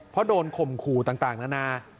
เพราะโดนข่มขู่ต่างนานา